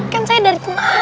kan saya dari kunanta